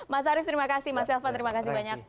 mas arief terima kasih mas elvan terima kasih banyak